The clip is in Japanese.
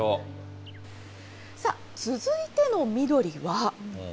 さあ、続いての緑は。